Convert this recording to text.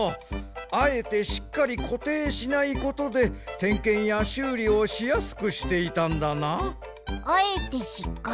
あえてしっかりこていしないことでてんけんやしゅうりをしやすくしていたんだな。